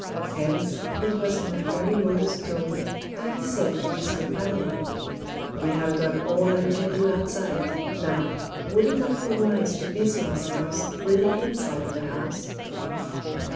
Hence, it was in a very modest tone that he said to his companion: "We have done all that we can do outside, now, would it not be wise to busy ourselves with the inside of the house?"